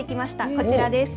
こちらです。